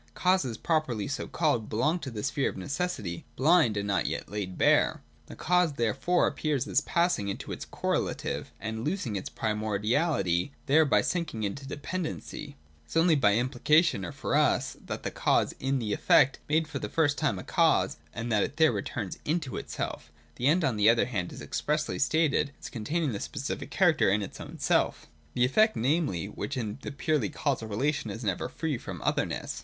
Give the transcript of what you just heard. Causes, properly so called, belong to the sphere of necessity, blind, and not yet laid bare. The cause therefore appears as passing into its correlative, and losing its primordiality there by sinking into dependency. It is only by implication, or for us, that the cause is in the effect made for the first time a cause, and that it there returns into itself The End, on the other hand, is expressly stated as containing the specific character in' its own self, — the effect, namely, which in the purely causal relation is never free from otherness.